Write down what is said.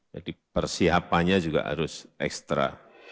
persiapannya juga harus ekstra